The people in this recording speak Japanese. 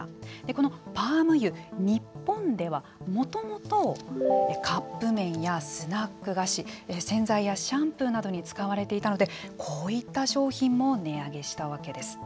このパーム油日本ではもともとカップ麺やスナック菓子洗剤やシャンプーなどに使われていたのでこういった商品も値上げしたわけです。